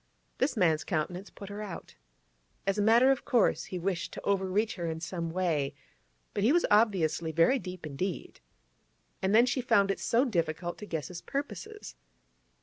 This man's countenance put her out. As a matter of course, he wished to overreach her in some way, but he was obviously very deep indeed. And then she found it so difficult to guess his purposes.